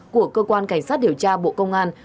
của cơ quan cảnh sát điều tra bộ công an